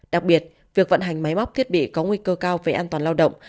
đặc biệt việc vận hành máy móc thiết bị có nguy cơ cao về an toàn lao động